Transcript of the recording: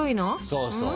そうそう。